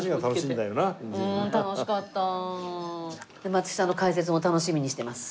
松木さんの解説も楽しみにしてます。